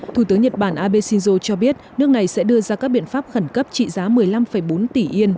thủ tướng nhật bản abe shinzo cho biết nước này sẽ đưa ra các biện pháp khẩn cấp trị giá một mươi năm bốn tỷ yên